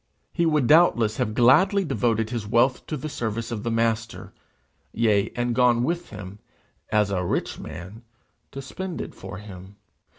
He would doubtless have gladly devoted his wealth to the service of the Master, yea, and gone with him, as a rich man, to spend it for him.